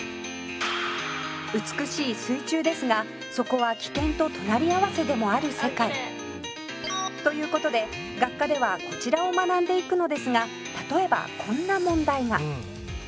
「美しい水中ですがそこは危険と隣り合わせでもある世界」「という事で学科ではこちらを学んでいくのですが例えばこんな問題が」